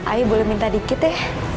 ayo boleh minta dikit ya